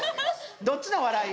どっちの笑い？